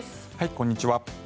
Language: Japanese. こんにちは。